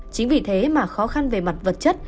chính vì thế mà khó khăn về mặt vật chất